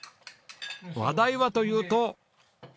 話題はというと。